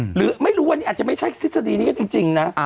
หรือไม่รู้วันนี้อาจจะไม่ใช่ทฤษฎีนี้จริงนะ